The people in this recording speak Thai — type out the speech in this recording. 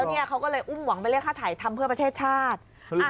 เขาก็เลยอุ้มหวังไปเรียกค่าถ่ายทำเพื่อประเทศชาติ